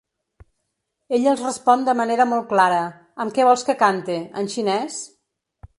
Ell els respon de manera molt clara: Amb què vols que cante, en xinès?